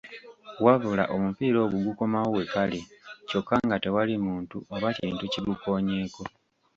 Wabula omupiira ogwo gukomawo we kali kyokka nga tewali muntu oba kintu kigukoonyeeko.